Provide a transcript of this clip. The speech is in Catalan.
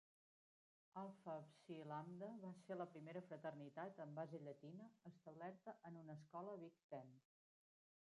Alpha Psi Lambda va ser la primera fraternitat amb base llatina establerta en una escola Big Ten.